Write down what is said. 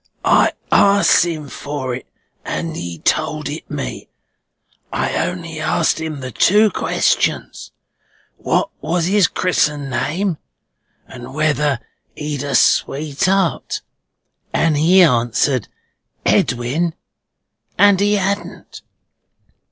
"I asked him for it, and he told it me. I only asked him the two questions, what was his Chris'en name, and whether he'd a sweetheart? And he answered, Edwin, and he hadn't."